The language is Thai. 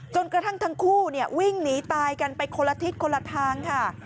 กระทั่งทั้งคู่วิ่งหนีตายกันไปคนละทิศคนละทางค่ะ